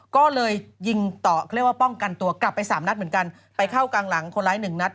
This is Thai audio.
ก็เลยยิงต่อเขาเรียกว่าป้องกันตัวกลับไปสามนัดเหมือนกันไปเข้ากลางหลังคนร้ายหนึ่งนัด